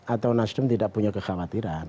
atau nasdem tidak punya kekhawatiran